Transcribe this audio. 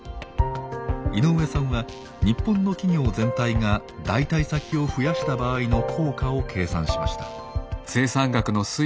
井上さんは日本の企業全体が代替先を増やした場合の効果を計算しました。